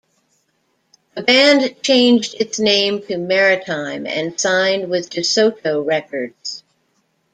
The band changed its name to Maritime and signed with DeSoto Records.